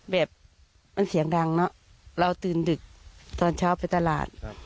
แบบมันเสียงดังเนอะเราตื่นดึกตอนเช้าไปตลาด